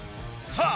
さあ